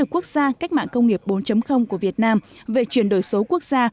quốc gia cách mạng công nghiệp bốn của việt nam về chuyển đổi số quốc gia